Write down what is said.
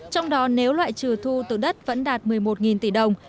trong đó nếu loại trừ thu từ đất vẫn đạt một mươi một tỷ đồng